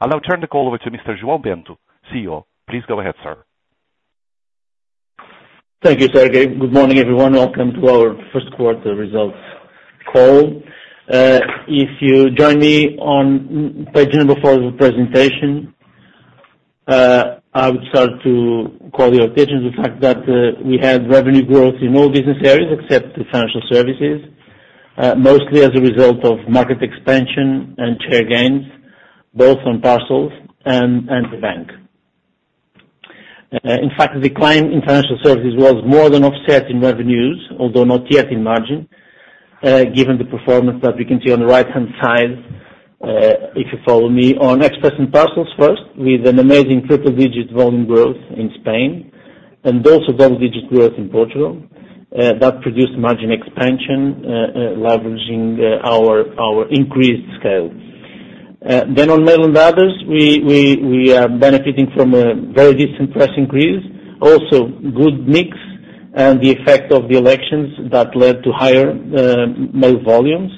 I'll now turn the call over to Mr. João Bento, CEO. Please go ahead, sir. Thank you, Sergey. Good morning, everyone. Welcome to our first quarter results call. If you join me on page number four of the presentation, I would start to call your attention to the fact that we had revenue growth in all business areas except the financial services, mostly as a result of market expansion and share gains, both on parcels and, and the bank. In fact, the decline in financial services was more than offset in revenues, although not yet in margin, given the performance that we can see on the right-hand side, if you follow me. On express and parcels first, with an amazing triple-digit volume growth in Spain, and also double-digit growth in Portugal, that produced margin expansion, leveraging our increased scale. Then on Mail and Other, we are benefiting from a very decent price increase, also good mix and the effect of the elections that led to higher mail volumes.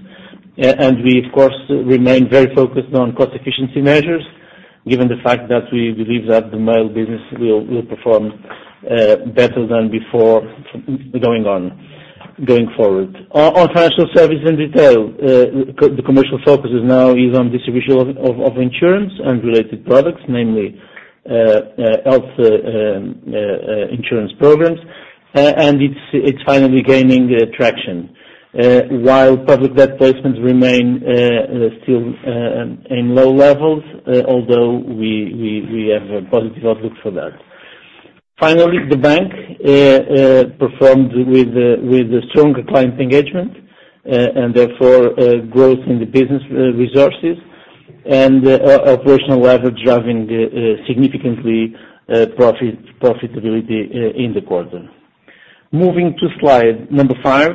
And we, of course, remain very focused on cost efficiency measures, given the fact that we believe that the mail business will perform better than before going forward. On Financial Services and Retail, the commercial focus is now on distribution of insurance and related products, namely, health insurance programs. And it's finally gaining traction. While public debt placements remain still in low levels, although we have a positive outlook for that. Finally, the bank performed with a stronger client engagement, and therefore growth in the business resources and operational leverage driving significantly profitability in the quarter. Moving to slide number five,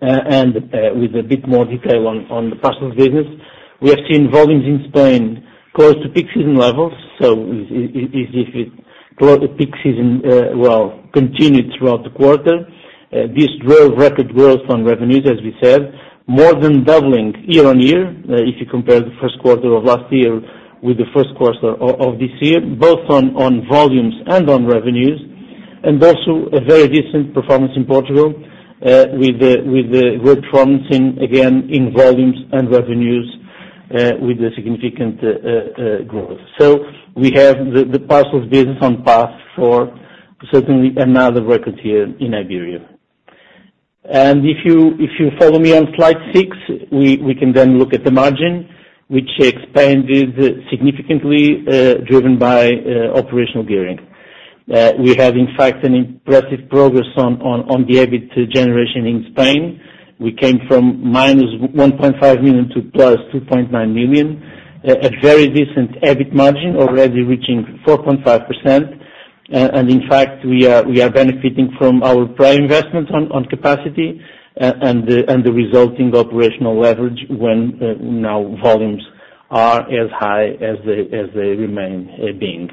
and with a bit more detail on the parcels business. We have seen volumes in Spain close to peak season levels, so if it close to peak season, well, continued throughout the quarter. This drove record growth on revenues, as we said, more than doubling year-on-year, if you compare the first quarter of last year with the first quarter of this year, both on volumes and on revenues. And also a very decent performance in Portugal, with the good, promising, again, in volumes and revenues, with a significant growth. So we have the parcels business on path for certainly another record year in Iberia. And if you follow me on slide six, we can then look at the margin, which expanded significantly, driven by operational gearing. We have, in fact, an impressive progress on the EBIT generation in Spain. We came from -1.5 million to +2.9 million, a very decent EBIT margin, already reaching 4.5%. And in fact, we are benefiting from our prior investment on capacity and the resulting operational leverage when now volumes are as high as they remain being.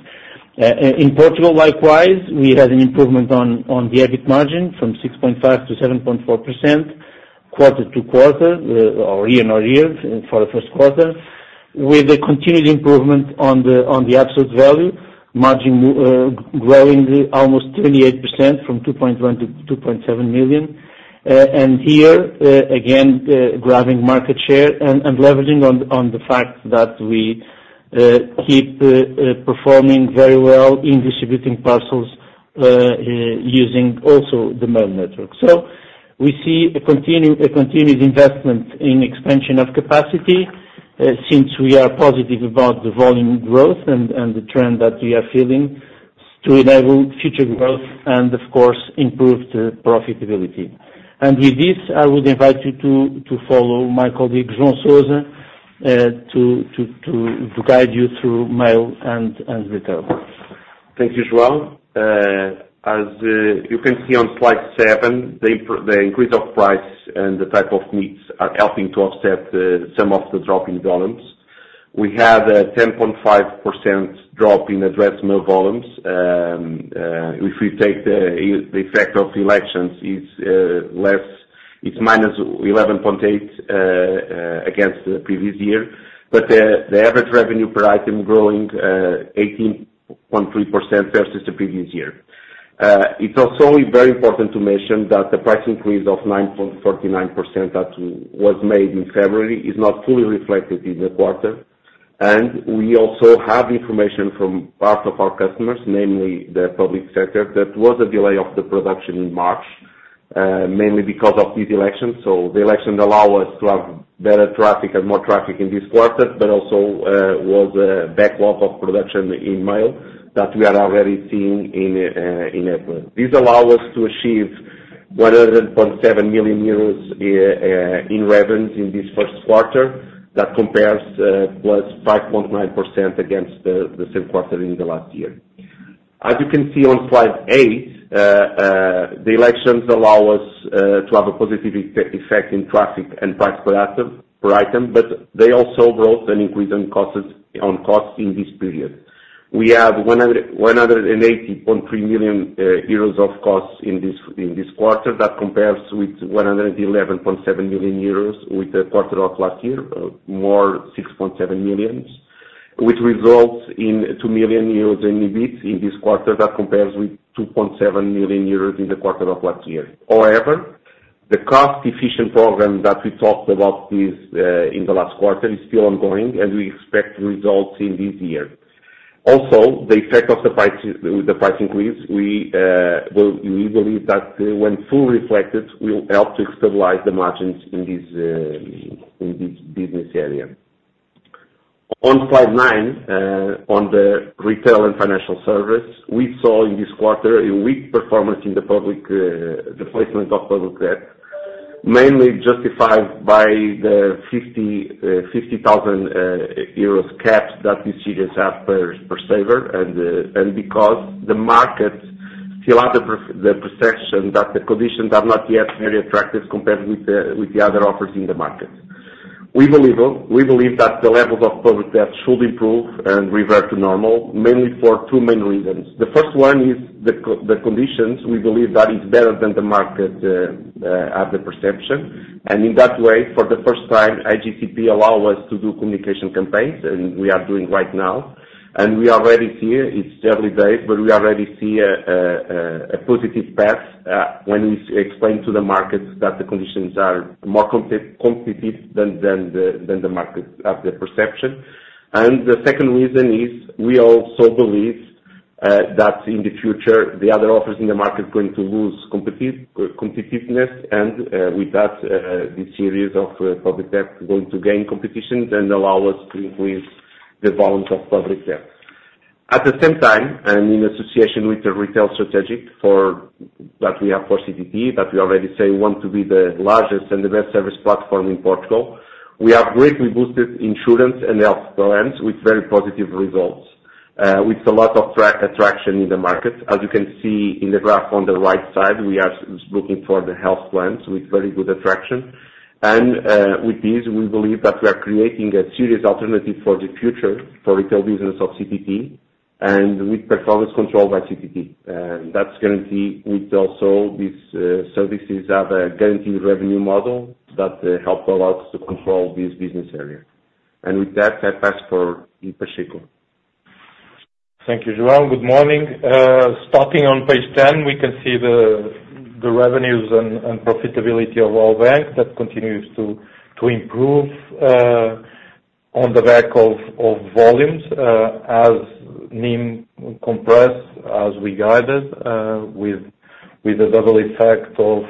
In Portugal, likewise, we had an improvement on the EBIT margin from 6.5% -7.4% quarter-to-quarter or year-on-year for the first quarter, with a continued improvement on the absolute value margin, growing almost 28% from 2.1 million to 2.7 million. And here, again, grabbing market share and leveraging on the fact that we keep performing very well in distributing parcels, using also the mail network. So we see a continued investment in expansion of capacity, since we are positive about the volume growth and the trend that we are feeling to enable future growth and of course, improve the profitability. And with this, I would invite you to follow my colleague, João Sousa, to guide you through mail and retail. Thank you, João. As you can see on slide seven, the increase of price and the type of mix are helping to offset some of the drop in volumes. We had a 10.5% drop in addressed mail volumes. If we take the effect of the elections, it's less, it's -11.8% against the previous year. But the average revenue per item growing 18.3% versus the previous year. It's also very important to mention that the price increase of 9.49% that was made in February is not fully reflected in the quarter. And we also have information from parts of our customers, namely the public sector, that was a delay of the production in March, mainly because of these elections. The elections allow us to have better traffic and more traffic in this quarter, but also was a backlog of production in mail that we are already seeing in April. This allow us to achieve 100.7 million euros in revenues in this first quarter. That compares +5.9% against the same quarter in the last year. As you can see on slide eight, the elections allow us to have a positive effect in traffic and price per item, per item, but they also brought an increase in costs in this period. We have 180.3 million euros of costs in this quarter. That compares with 111.7 million euros in the quarter of last year, more 6.7 million, which results in 2 million euros in EBIT in this quarter. That compares with 2.7 million euros in the quarter of last year. However, the cost efficient program that we talked about in the last quarter is still ongoing, and we expect results in this year. Also, the effect of the price, the price increase, we will—we believe that when full reflected, will help to stabilize the margins in this business area. On slide nine, on the retail and financial service, we saw in this quarter a weak performance in the public, the placement of public debt, mainly justified by the 50,000 euros cap that this series have per saver, and because the market still have the perception that the conditions are not yet very attractive compared with the other offers in the market. We believe that the levels of public debt should improve and revert to normal, mainly for two main reasons. The first one is the conditions. We believe that is better than the market have the perception, and in that way, for the first time, IGCP allow us to do communication campaigns, and we are doing right now. We already see it's early days, but we already see a positive path when we explain to the markets that the conditions are more competitive than the markets have the perception. And the second reason is we also believe that in the future, the other offers in the market are going to lose competitiveness, and with that, this series of public debt is going to gain competition and allow us to increase the volume of public debt. At the same time, and in association with the retail strategy for that we have for CTT, that we already say we want to be the largest and the best service platform in Portugal, we have greatly boosted insurance and health plans with very positive results, with a lot of attraction in the market. As you can see in the graph on the right side, we are looking for the health plans with very good attraction. With this, we believe that we are creating a serious alternative for the future, for retail business of CTT and with performance controlled by CTT. That's guarantee with also these services have a guaranteed revenue model that help a lot to control this business area. With that, I pass for Pacheco. Thank you, João. Good morning. Starting on page 10, we can see the revenues and profitability of our bank. That continues to improve on the back of volumes as NIM compress, as we guided, with the double effect of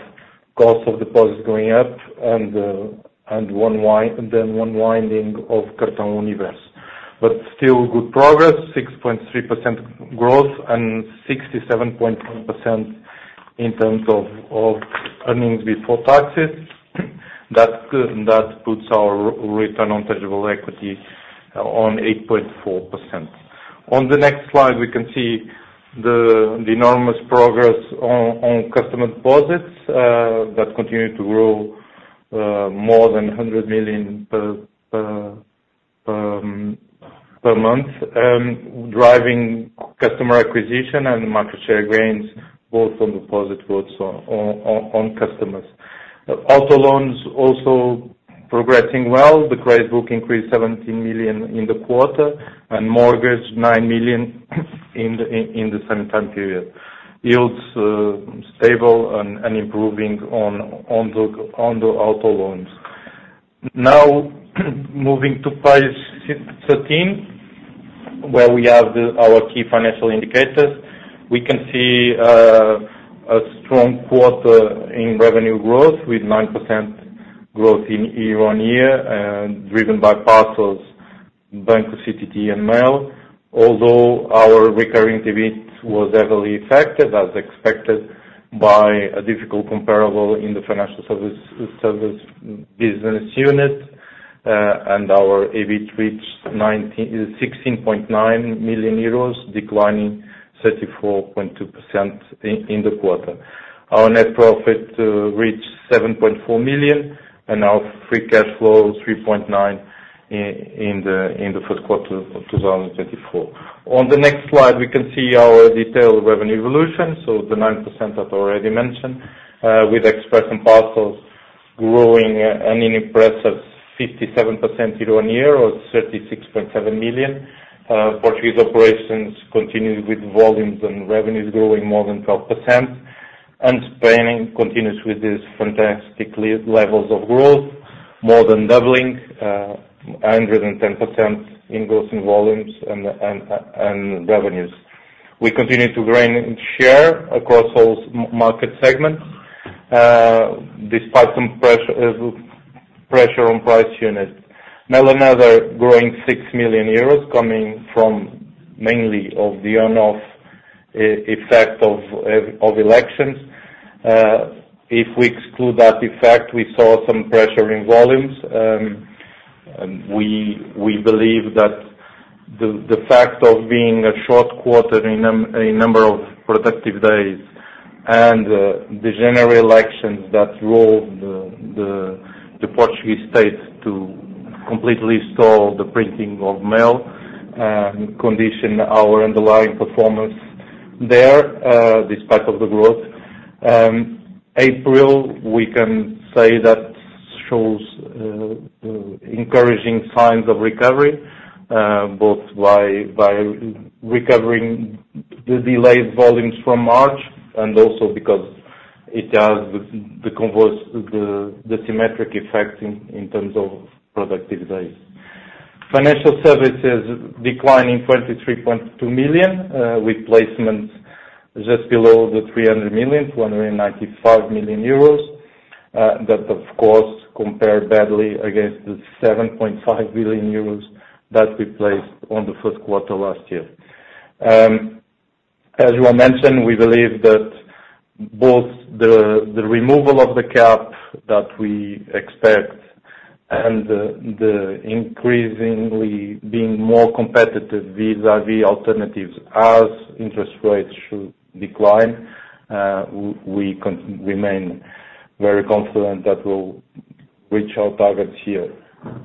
cost of deposits going up and unwinding of Cartão Universo. But still good progress, 6.3% growth and 67.1% in terms of earnings before taxes. That puts our return on tangible equity on 8.4%. On the next slide, we can see the enormous progress on customer deposits that continue to grow more than 100 million per month, driving customer acquisition and market share gains, both on deposit, both on customers. Auto loans also progressing well. The credit book increased 17 million in the quarter, and mortgage, 9 million in the same time period. Yields stable and improving on the auto loans. Now, moving to page 13, where we have our key financial indicators. We can see a strong quarter in revenue growth, with 9% growth in year-on-year, and driven by Parcels, Banco CTT, and Mail. Although our recurring EBIT was heavily affected, as expected, by a difficult comparable in the financial services business unit, and our EBIT reached 16.9 million euros, declining 34.2% in the quarter. Our net profit reached 7.4 million, and our free cash flow, 3.9 million in the first quarter of 2024. On the next slide, we can see our detailed revenue evolution, so the 9% that already mentioned, with Express and Parcels growing an impressive 57% year-on-year or 36.7 million. Portuguese operations continued with volumes and revenues growing more than 12%. And Spain continues with these fantastic levels of growth, more than doubling, 110% in growth in volumes and revenues. We continue to gain share across all market segments, despite some pressure, pressure on price units. Now, another growing 6 million euros coming from mainly of the one-off, effect of, of elections. If we exclude that effect, we saw some pressure in volumes. And we, we believe that the, the fact of being a short quarter in number of productive days. The January elections that drove the Portuguese state to completely stall the printing of mail condition our underlying performance there, despite of the growth. April, we can say that shows encouraging signs of recovery, both by recovering the delayed volumes from March, and also because it has the converse, the symmetric effect in terms of productive days. Financial services declining 23.2 million, with placements just below the 300 million, 295 million euros. That, of course, compared badly against the 7.5 billion euros that we placed on the first quarter last year. As you have mentioned, we believe that both the removal of the cap that we expect and the increasingly being more competitive vis-a-vis alternatives as interest rates should decline, we remain very confident that we'll reach our targets here.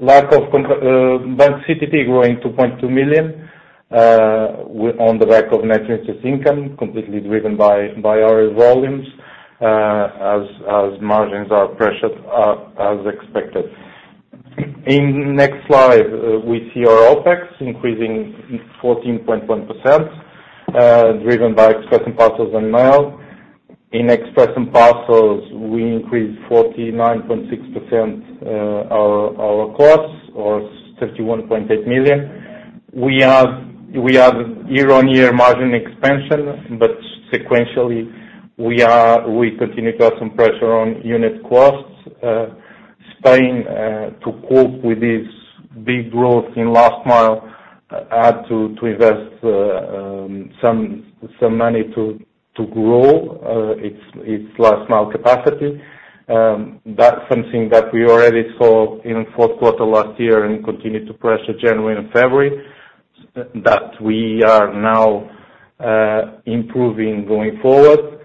Banco CTT growing 2.2 million on the back of net interest income, completely driven by our volumes, as margins are pressured, as expected. In next slide, we see our OpEx increasing 14.1%, driven by Express Parcels and Mail. In Express and Parcels, we increased 49.6% our costs, or 31.8 million. We have year-on-year margin expansion, but sequentially, we continue to have some pressure on unit costs. Spain, to cope with this big growth in last mile, had to invest some money to grow its last mile capacity. That's something that we already saw in the fourth quarter last year and continued to pressure January and February, that we are now improving going forward.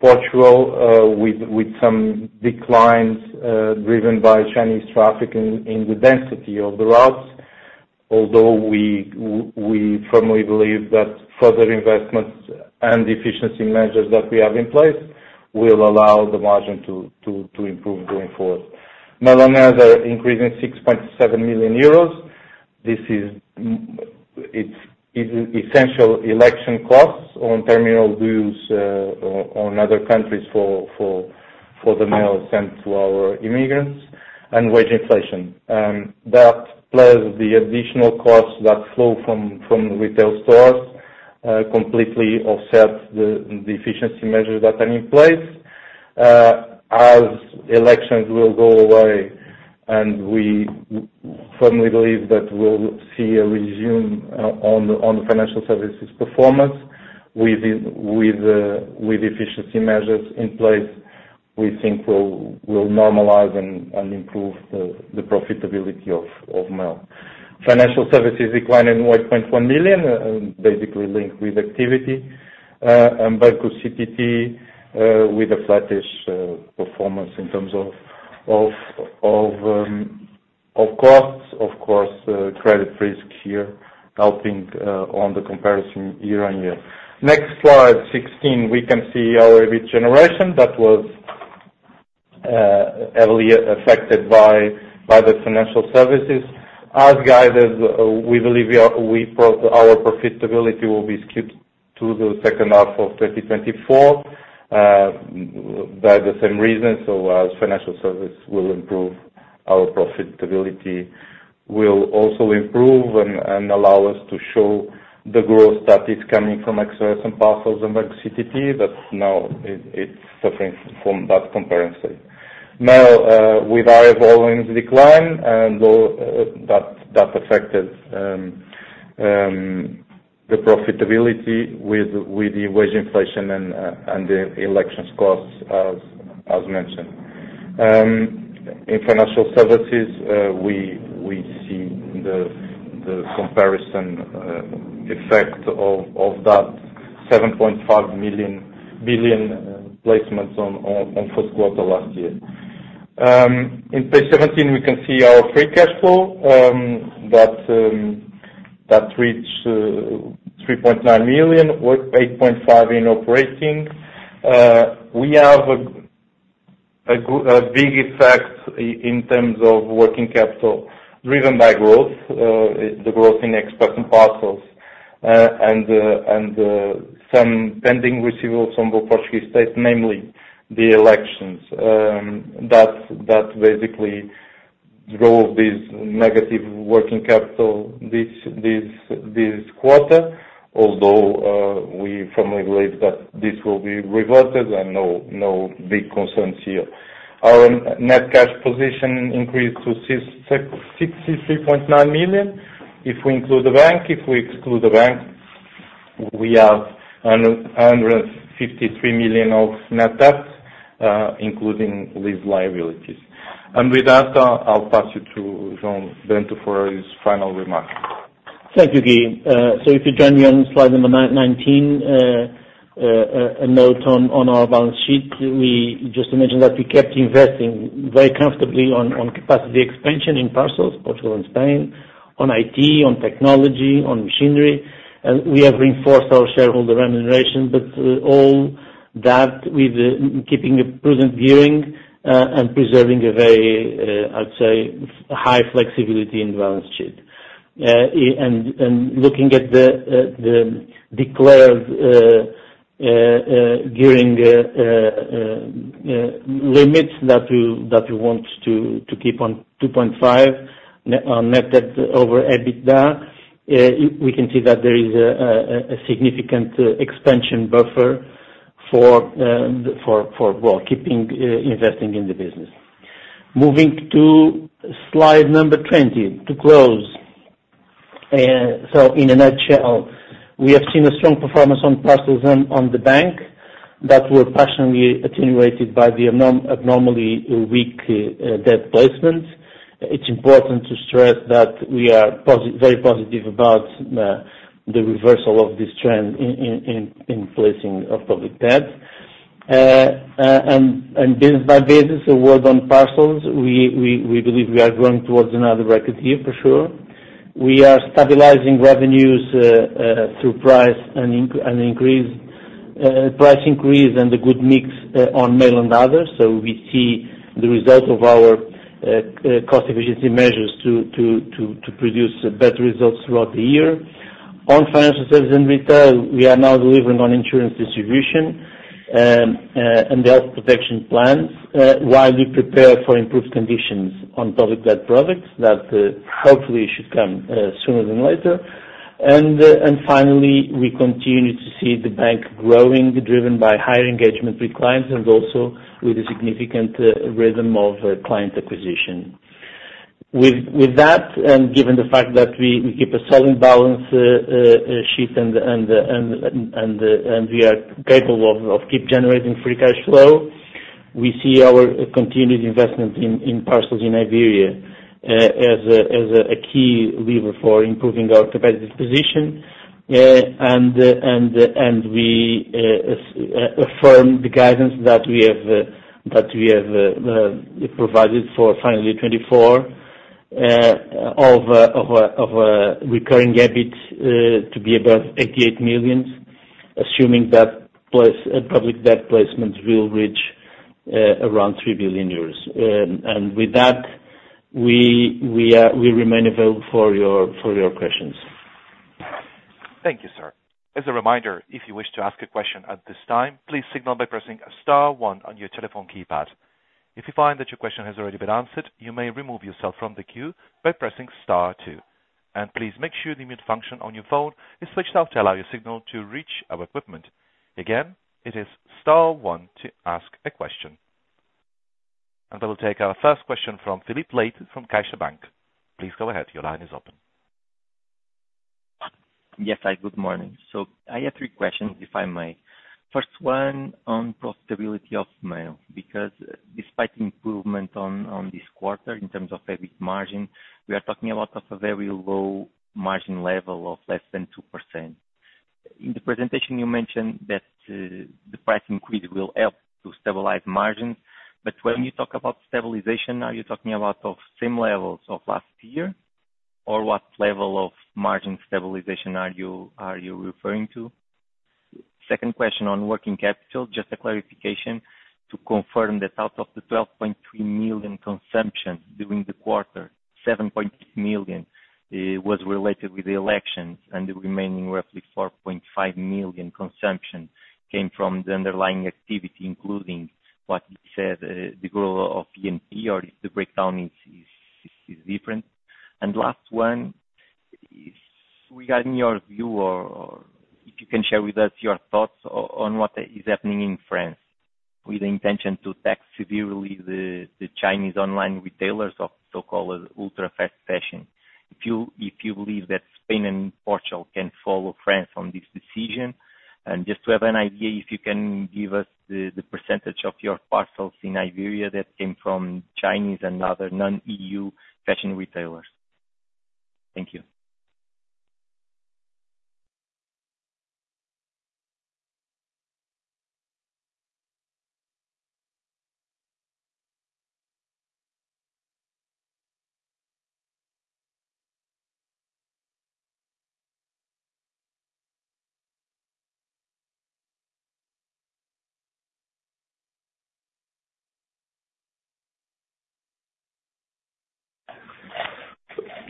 Portugal, with some declines driven by Chinese traffic in the density of the routes, although we firmly believe that further investments and efficiency measures that we have in place will allow the margin to improve going forward. Mail and other, increasing EUR 6.7 million. This is it's, it is essentially election costs on terminal dues on other countries for the mail sent to our immigrants, and wage inflation. That, plus the additional costs that flow from retail stores completely offset the efficiency measures that are in place. As election will go away, and we firmly believe that we'll see a resumption of the financial services performance with the efficiency measures in place, we think will normalize and improve the profitability of mail. Financial services decline in 1.1 million, basically linked with activity, and Banco CTT with a flattish performance in terms of costs. Of course, credit risk here helping on the comparison year-on-year. Next slide, 16, we can see our cash generation that was heavily affected by the financial services. As guided, we believe our profitability will be skewed to the second half of 2024 by the same reason. So as financial services will improve, our profitability will also improve and allow us to show the growth that is coming from Express and Parcels and Banco CTT, but now it's suffering from that comparison. Now, with our revenue decline and that affected the profitability with the wage inflation and the relocation costs, as mentioned. In financial services, we see the comparison effect of that 7.5 billion placements on first quarter last year. On page 17, we can see our free cash flow that reached 3.9 million, with 8.5 million in operating. We have a big effect in terms of working capital, driven by growth, the growth in Express and Parcels, and some pending receivables from the Portuguese state, namely the elections. That basically drove this negative working capital this quarter, although we firmly believe that this will be reverted and no big concerns here. Our net cash position increased to 63.9 million, if we include the bank. If we exclude the bank, we have 153 million of net debt, including these liabilities. And with that, I'll pass you to João Bento for his final remarks. Thank you, Guy. So if you join me on slide number 19, a note on our balance sheet, we just to mention that we kept investing very comfortably on capacity expansion in parcels, Portugal and Spain, on IT, on technology, on machinery, and we have reinforced our shareholder remuneration. But all that with keeping a prudent viewing and preserving a very, I'd say, high flexibility in the balance sheet. And looking at the declared gearing limits that we want to keep on 2.5 on net debt over EBITDA, we can see that there is a significant expansion buffer for well, keeping investing in the business. Moving to slide number 20, to close. So in a nutshell, we have seen a strong performance on parcels and on the bank that were partially attenuated by the abnormally weak debt placement. It's important to stress that we are very positive about the reversal of this trend in placing of public debt. And business by business, the work on parcels, we believe we are going towards another record year for sure. We are stabilizing revenues through price and increase, price increase and a good mix on mail and others. So we see the result of our cost efficiency measures to produce better results throughout the year. On financial services and retail, we are now delivering on insurance distribution and health protection plans, while we prepare for improved conditions on public debt products that hopefully should come sooner than later. Finally, we continue to see the bank growing, driven by higher engagement with clients and also with a significant rhythm of client acquisition. With that, and given the fact that we keep a solid balance sheet and we are capable of keep generating free cash flow, we see our continued investment in parcels in Iberia as a key lever for improving our competitive position. We affirm the guidance that we have provided for FY 2024 of a recurring EBIT to be above 88 million, assuming that public debt placements will reach around 3 billion euros. And with that, we remain available for your questions. Thank you, sir. As a reminder, if you wish to ask a question at this time, please signal by pressing star one on your telephone keypad. If you find that your question has already been answered, you may remove yourself from the queue by pressing star two. And please make sure the mute function on your phone is switched off to allow your signal to reach our equipment. Again, it is star one to ask a question. And I will take our first question from Filipe Leite from CaixaBank. Please go ahead. Your line is open. Yes, hi, good morning. So I have three questions, if I may. First one on profitability of mail, because despite the improvement on this quarter in terms of EBIT margin, we are talking about a very low margin level of less than 2%. In the presentation, you mentioned that the price increase will help to stabilize margins, but when you talk about stabilization, are you talking about the same levels of last year? Or what level of margin stabilization are you referring to? Second question on working capital, just a clarification to confirm that out of the 12.3 million consumption during the quarter, 7.8 million was related with the elections and the remaining roughly 4.5 million consumption came from the underlying activity, including what you said, the growth of P&P, or if the breakdown is different. And last one is regarding your view or if you can share with us your thoughts on what is happening in France with the intention to tax severely the Chinese online retailers of so-called ultra-fast fashion. If you believe that Spain and Portugal can follow France on this decision, and just to have an idea, if you can give us the percentage of your parcels in Iberia that came from Chinese and other non-E.U. fashion retailers. Thank you.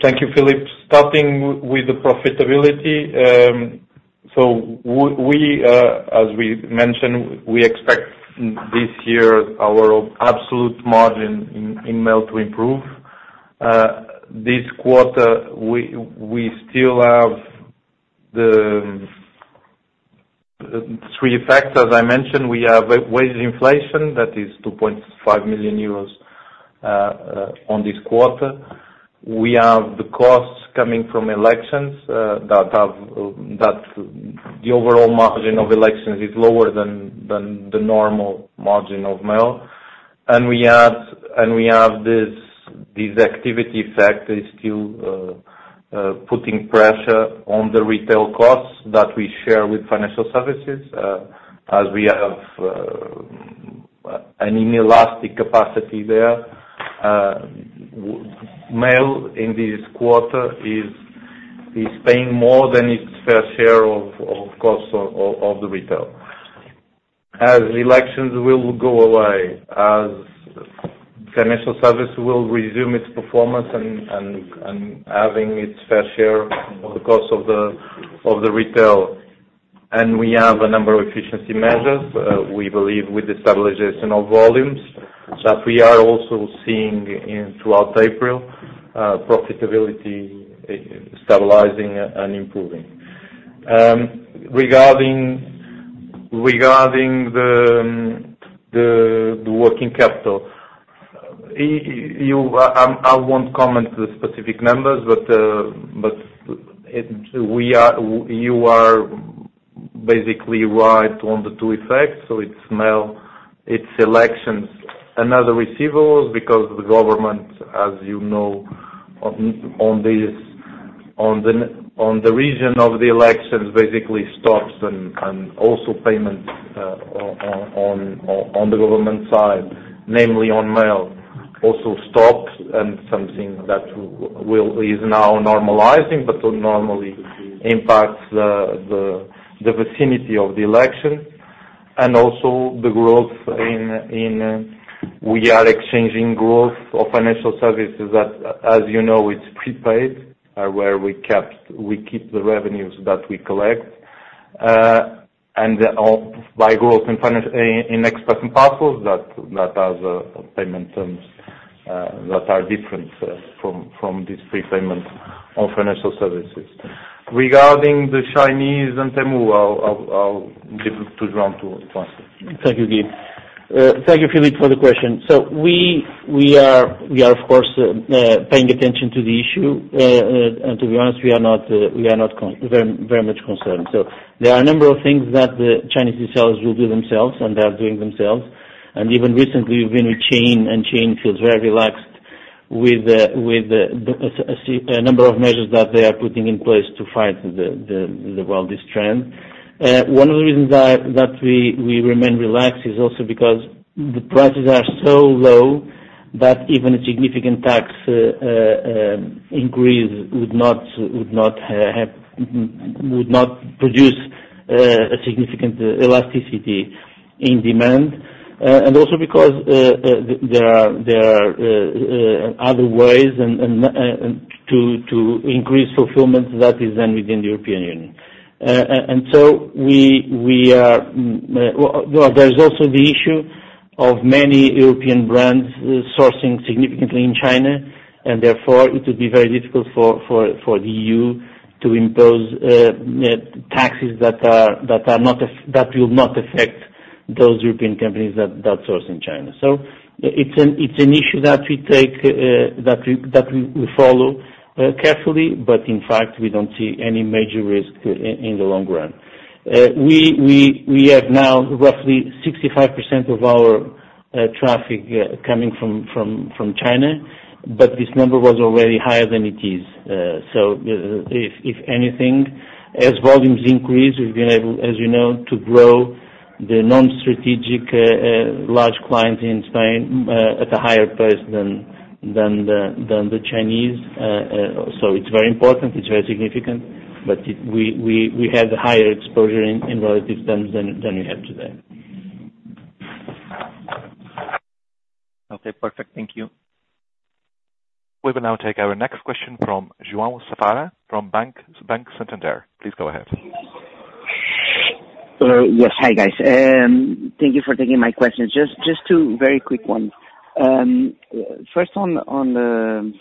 Thank you, Filipe. Starting with the profitability, so we, as we mentioned, we expect this year our absolute margin in mail to improve. This quarter, we still have the three effects. As I mentioned, we have wage inflation, that is 2.5 million euros, on this quarter. We have the costs coming from elections, that the overall margin of elections is lower than the normal margin of mail. And we have this activity effect is still putting pressure on the retail costs that we share with financial services, as we have an inelastic capacity there. Mail in this quarter is paying more than its fair share of costs of the retail. As elections will go away, as financial services will resume its performance and having its fair share of the cost of the retail. And we have a number of efficiency measures, we believe, with the stabilization of volumes, that we are also seeing throughout April, profitability stabilizing and improving. Regarding the working capital, you, I won't comment to the specific numbers, but you are basically right on the two effects. So it's mail, it's elections and other receivables, because the government, as you know, on this region of the elections, basically stops and also payments on the government side, namely on mail, also stops and something that is now normalizing, but normally impacts the vicinity of the election. And also the growth in, in, we are exchanging growth of financial services that, as you know, it's prepaid, where we kept, we keep the revenues that we collect. And by growth in express and parcels, that has payment terms that are different from these prepayment on financial services. Regarding the Chinese and Temu, I'll leave it to João to answer. Thank you, Guy. Thank you, Philippe, for the question. So we are, of course, paying attention to the issue. And to be honest, we are not very, very much concerned. So there are a number of things that the Chinese sellers will do themselves, and they are doing themselves. And even recently, we've been with Shein, and Shein feels very relaxed with the a number of measures that they are putting in place to fight the, the, well, this trend. One of the reasons that we remain relaxed is also because the prices are so low that even a significant tax increase would not produce a significant elasticity in demand. And also because there are other ways to increase fulfillment that is then within the European Union. Well, there's also the issue of many European brands sourcing significantly in China, and therefore, it would be very difficult for the E.U. to impose taxes that will not affect those European companies that source in China. So it's an issue that we follow carefully, but in fact, we don't see any major risk in the long run. We have now roughly 65% of our traffic coming from China, but this number was already higher than it is. So, if anything, as volumes increase, we've been able, as you know, to grow the non-strategic large clients in Spain at a higher price than the Chinese. So it's very important, it's very significant, but we had a higher exposure in relative terms than we have today. Okay, perfect. Thank you. We will now take our next question from João Safara from Banco Santander. Please go ahead. Yes. Hi, guys. Thank you for taking my questions. Just two very quick ones. First, on the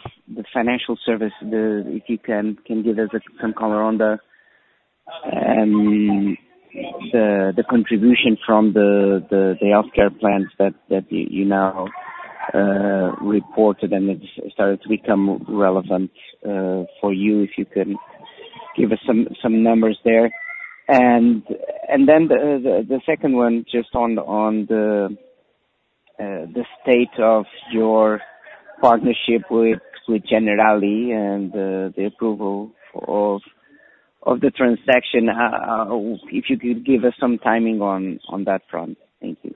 financial services, if you can give us some color on the contribution from the healthcare plans that you now reported, and it's started to become relevant for you, if you can give us some numbers there. Then the second one, just on the state of your partnership with Generali and the approval of the transaction, if you could give us some timing on that front. Thank you.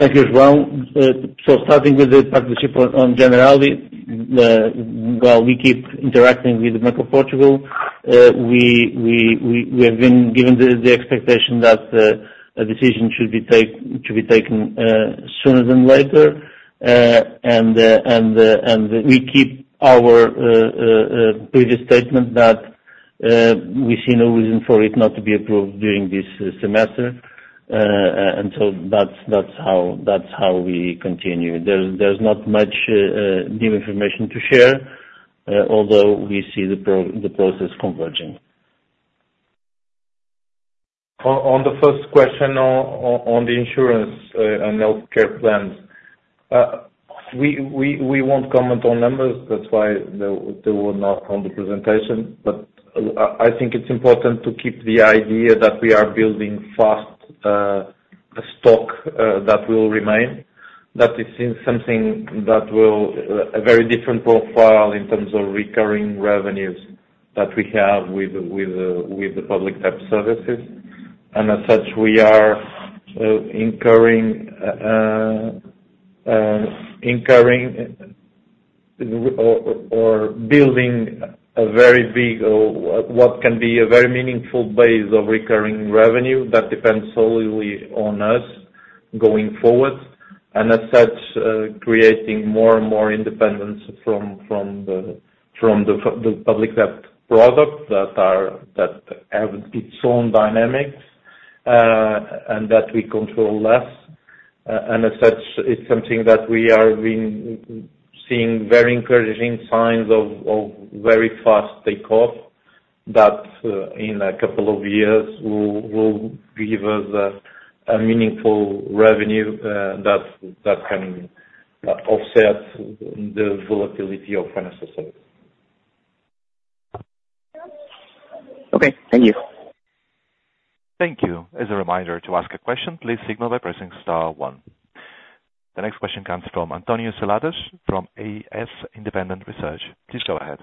Thank you, João. So starting with the partnership on Generali, well, we keep interacting with the Bank of Portugal. We have been given the expectation that a decision should be taken sooner than later. And we keep our previous statement that we see no reason for it not to be approved during this semester. And so that's how we continue. There's not much new information to share, although we see the process converging. On the first question on the insurance and healthcare plans, we won't comment on numbers, that's why they were not on the presentation. But, I think it's important to keep the idea that we are building fast a stock that will remain. That it's in something that will a very different profile in terms of recurring revenues that we have with the public debt services. And as such, we are incurring or building a very big or what can be a very meaningful base of recurring revenue that depends solely on us going forward. And as such, creating more and more independence from the public debt product that are that have its own dynamics and that we control less. As such, it's something that we are seeing very encouraging signs of very fast takeoff that in a couple of years will give us a meaningful revenue that can offset the volatility of financial services. Okay, thank you. Thank you. As a reminder, to ask a question, please signal by pressing star one. The next question comes from António Seladas from AS Independent Research. Please go ahead.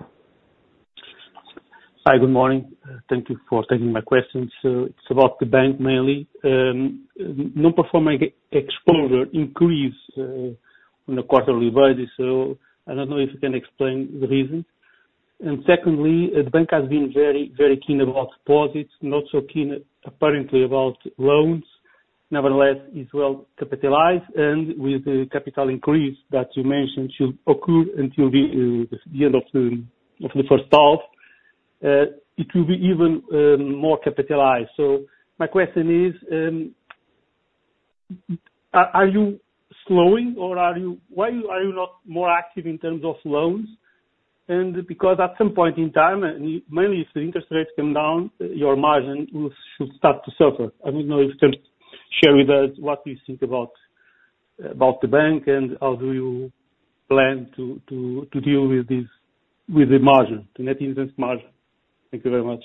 Hi, good morning. Thank you for taking my questions. So it's about the bank mainly. Non-performing exposure increased on a quarterly basis, so I don't know if you can explain the reason. And secondly, the bank has been very, very keen about deposits, not so keen apparently about loans. Nevertheless, it's well capitalized, and with the capital increase that you mentioned should occur until the end of the first half, it will be even more capitalized. So my question is, why are you not more active in terms of loans? And because at some point in time, and mainly if the interest rates come down, your margin will should start to suffer. I don't know if you can share with us what you think about the bank, and how do you plan to deal with this, with the margin, the net interest margin? Thank you very much.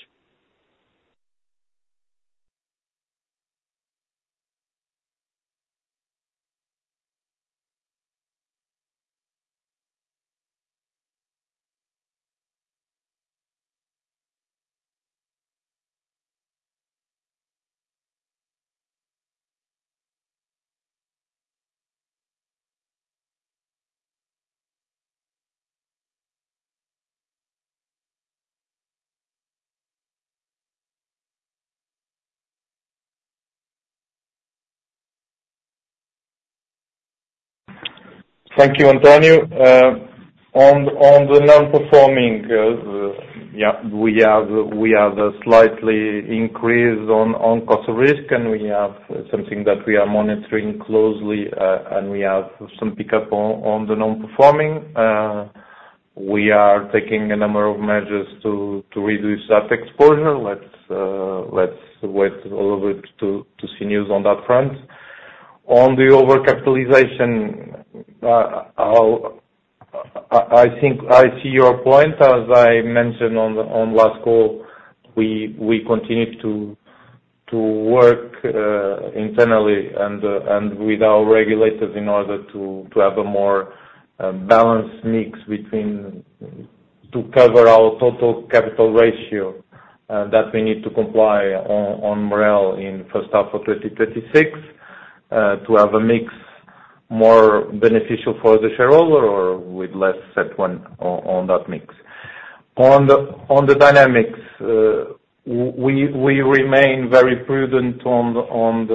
Thank you, António. On the non-performing, yeah, we have slightly increased on cost of risk, and we have something that we are monitoring closely, and we have some pickup on the non-performing. We are taking a number of measures to reduce that exposure. Let's wait a little bit to see news on that front. On the overcapitalization, I'll think I see your point. As I mentioned on last call, we continue to work internally and with our regulators in order to have a more balanced mix between... To cover our total capital ratio, that we need to comply on MREL in first half of 2036. To have a mix more beneficial for the shareholder or with less CET1 on that mix. On the dynamics, we remain very prudent on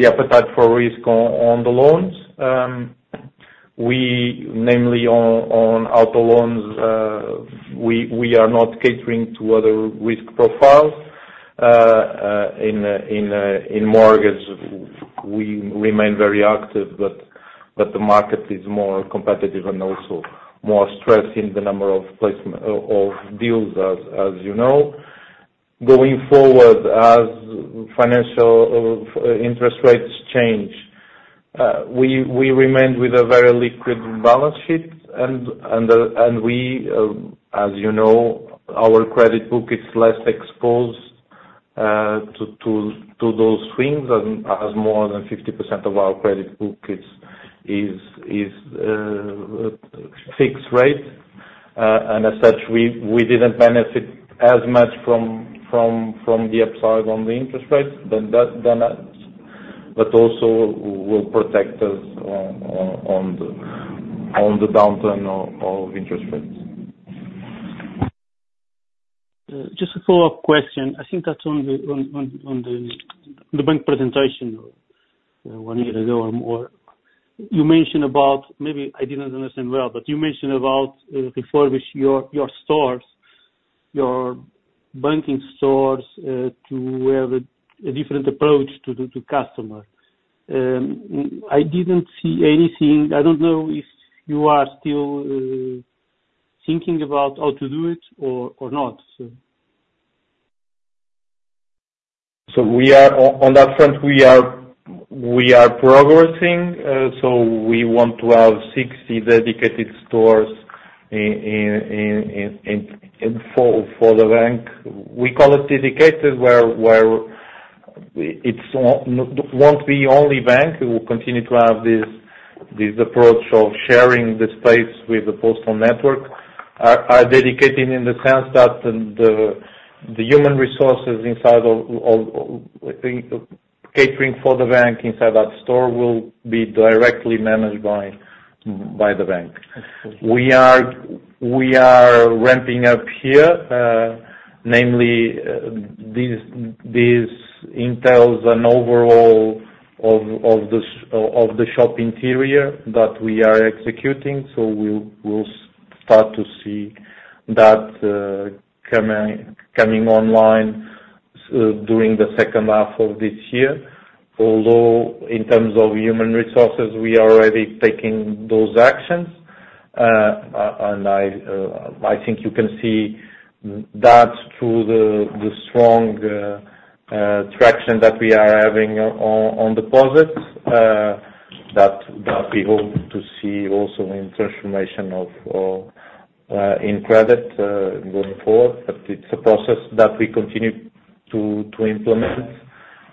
the appetite for risk on the loans. We, namely on auto loans, we are not catering to other risk profiles. In mortgage, we remain very active, but the market is more competitive and also more stressed in the number of placement of deals, as you know. Going forward, as financial interest rates change, we remain with a very liquid balance sheet. As you know, our credit book is less exposed to those swings, and as more than 50% of our credit book is fixed rate. And as such, we didn't benefit as much from the upside on the interest rates than that, than us, but also will protect us on the downturn of interest rates. Just a follow-up question. I think that's on the bank presentation one year ago or more. You mentioned about, maybe I didn't understand well, but you mentioned about refurbish your stores, your banking stores, to have a different approach to the customers. I didn't see anything, I don't know if you are still thinking about how to do it or not, so? So we are on that front progressing. We want to have 60 dedicated stores in for the bank. We call it dedicated, where it's not only bank, we will continue to have this approach of sharing the space with the postal network. Are dedicated in the sense that the human resources inside of I think catering for the bank inside that store will be directly managed by the bank. We are ramping up here, namely, this entails an overhaul of the shop interior that we are executing, so we'll start to see that coming online during the second half of this year. Although in terms of human resources, we are already taking those actions, and I think you can see that through the strong traction that we are having on deposits, that we hope to see also in transformation of in credit, going forward. But it's a process that we continue to implement,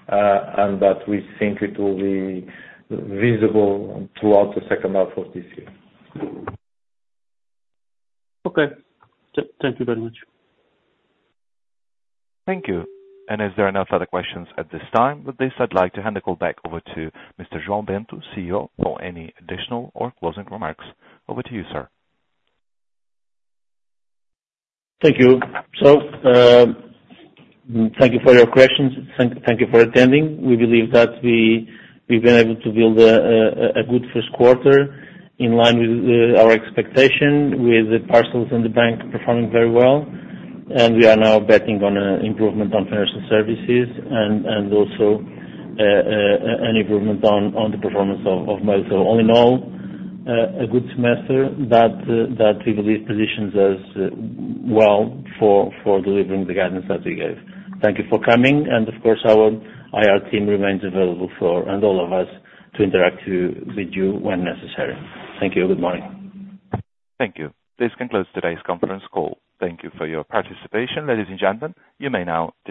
and that we think it will be visible throughout the second half of this year. Okay. Thank you very much. Thank you. And as there are no further questions at this time, with this, I'd like to hand the call back over to Mr. João Bento, CEO, for any additional or closing remarks. Over to you, sir. Thank you. So, thank you for your questions. Thank you for attending. We believe that we've been able to build a good first quarter in line with our expectation, with the parcels and the bank performing very well. And we are now betting on a improvement on financial services and an improvement on the performance of mail. So all in all, a good semester that we believe positions us well for delivering the guidance that we gave. Thank you for coming, and of course, our IR team remains available for... and all of us, to interact with you when necessary. Thank you, and good morning. Thank you. This concludes today's conference call. Thank you for your participation, ladies and gentlemen. You may now disconnect.